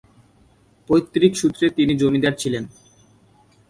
পৈতৃক সূত্রে তিনি জমিদার ছিলেন।